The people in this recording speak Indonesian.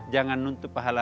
jangan nuntuk pahalanya